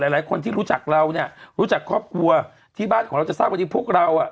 หลายคนที่รู้จักเราเนี่ยรู้จักครอบครัวที่บ้านของเราจะทราบวันนี้พวกเราอ่ะ